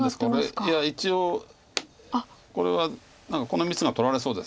いや一応これはこの３つが取られそうです。